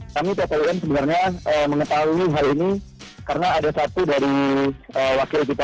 kami pt un sebenarnya mengetahui hal ini karena ada satu dari wakil kita